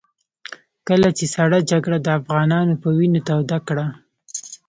کله چې سړه جګړه د افغانانو په وينو توده کړه.